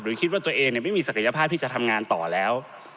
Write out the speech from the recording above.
คิดว่าตัวเองไม่มีศักยภาพที่จะทำงานต่อแล้ว